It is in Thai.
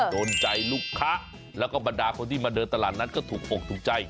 โดนใจลูกค้าแล้วก็บรรดาคนที่มาเดินตลาดนั้นก็ถูกอกถูกใจ